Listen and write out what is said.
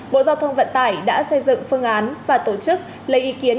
bộ giao thông vận tải đã xây dựng phương án và tổ chức lấy ý kiến